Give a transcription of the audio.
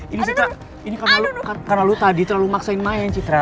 ini citra ini karena lu tadi terlalu maksain main citra